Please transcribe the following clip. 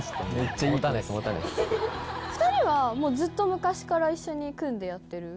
２人はずっと昔から一緒に組んでやってる？